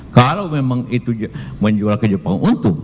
kalau memang itu menjual ke jepang untung